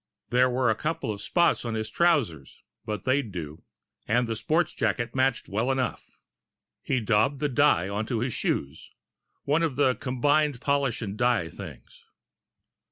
There were a couple of spots on his trousers, but they'd do. And the sports jacket matched well enough. He daubed the dye onto his shoes one of the combined polish and dye things.